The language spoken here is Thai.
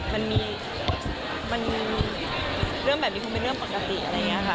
มันมีเรื่องแบบนี้คงเป็นเรื่องปกติอะไรอย่างนี้ค่ะ